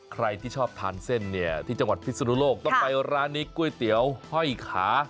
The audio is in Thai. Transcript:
ใครที่ชอบทานเส้นเนี่ยที่จังหวัดพิศนุโลกต้องไปร้านนี้ก๋วยเตี๋ยวห้อยขา